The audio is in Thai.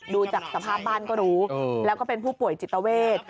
ดูจากสภาพบ้านก็รู้แล้วก็เป็นผู้ป่วยจิตเวท